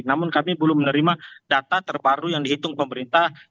namun kami belum menerima data terbaru yang dihitung pemerintah